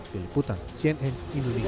filip putang cnn indonesia